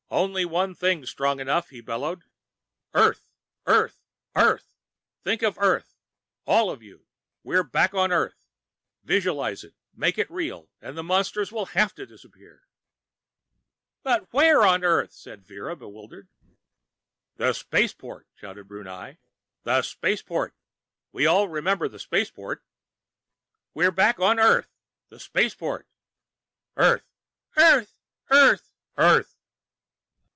"Only one thing's strong enough!" he bellowed. "Earth! Earth! EARTH! Think of Earth! All of you! We're back on Earth. Visualize it, make it real, and the monsters'll have to disappear." "But where on Earth?" said Vera, bewildered. "The Spaceport!" shouted Brunei. "The Spaceport! We all remember the Spaceport." "We're back on Earth! The Spaceport!" "Earth!" "Earth!" "EARTH! EARTH!"